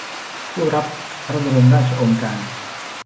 ผู้รับพระบรมราชโองการ